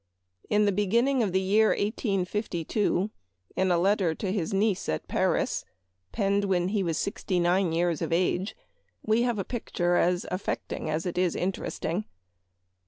In the beginning of the year 1852, in a letter to his niece at Paris, penned when sixty nine years of age, we have a picture as affecting as it is interesting.